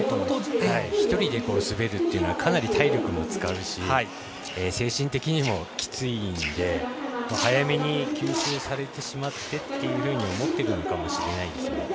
１人で滑るというのはかなり体力も使うし精神的にもきついんで早めに吸収されてしまってと思ってるのかもしれないですね。